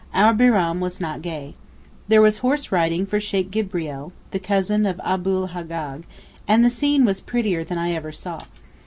Our Bairam was not gay. There was horse riding for Sheykh Gibreel (the cousin of Abu'l Haggag) and the scene was prettier than ever I saw.